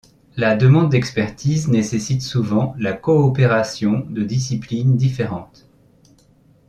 La demande d'expertise nécessite souvent la coopération de disciplines différentes.